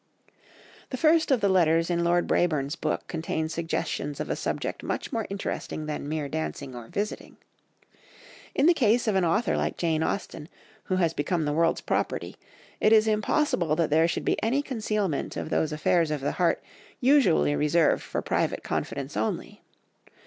The first of the letters in Lord Brabourne's book contains suggestions of a subject much more interesting than mere dancing or visiting. In the case of an author like Jane Austen, who has become the world's property, it is impossible that there should be any concealment of those affairs of the heart usually reserved for private confidence only.